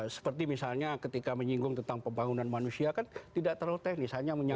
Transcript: seperti misalnya ketika menyinggung tentang pembangunan manusia kan tidak terlalu teknis